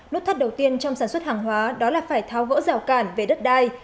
nốt thắt đầu tiên trong sản xuất hàng hóa đó là phải thao gỡ rào cản về đất đai